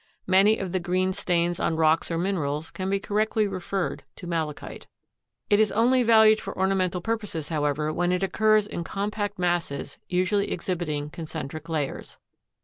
Many of the green stains on rocks or minerals can be correctly referred to malachite. It is only valued for ornamental purposes however when it occurs in compact masses usually exhibiting concentric layers.